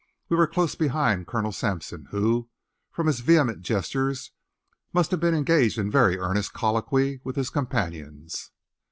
We were close behind Colonel Sampson, who, from his vehement gestures, must have been engaged in very earnest colloquy with his companions.